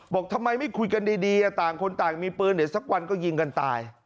บอกทำไมไม่คุยกันดีต่างคนต่างมีปืนเดี๋ยวสักวันก็ยิงกันตาย